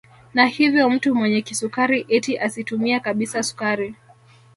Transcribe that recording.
Na hivyo mtu mwenye kisukari eti asitumie kabisa sukari